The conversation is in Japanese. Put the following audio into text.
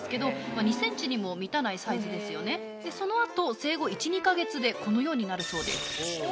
その後生後１２か月でこのようになるそうです。